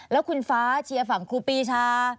แล้วคุณฟ้าเชียร์ฝั่งครูปีชา